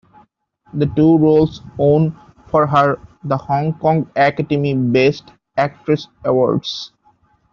The two roles won for her the Hong Kong Academy Best Actress awards.